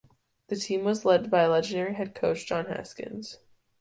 The team was led by legendary head coach Don Haskins.